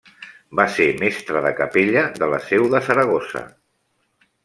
Va ser mestre de capella de la Seu de Saragossa.